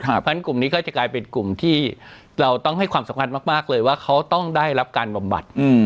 เพราะฉะนั้นกลุ่มนี้ก็จะกลายเป็นกลุ่มที่เราต้องให้ความสำคัญมากเลยว่าเขาต้องได้รับการบำบัด